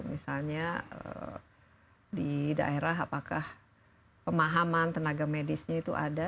misalnya di daerah apakah pemahaman tenaga medisnya itu ada